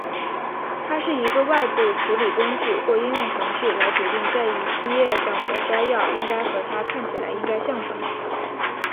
它是一个外部处理工具或应用程序来决定在一页上的摘要应该和它看起来应该像什么。